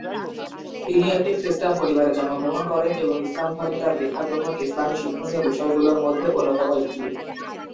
তিনি একটি খ্রিস্টান পরিবারে জন্মগ্রহণ করেন এবং ইসলাম ধর্মে তার দীক্ষা গ্রহণ ইসলামী শিক্ষণীয় বিষয়গুলোর মধ্যে অন্যতম একটি।